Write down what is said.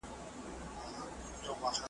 خاموش کلى